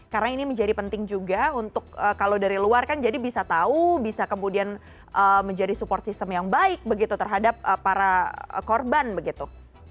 karena ini menjadi penting juga untuk kalau dari luar kan jadi bisa tahu bisa kemudian menjadi support sistem yang baik begitu terhadap para korban begitu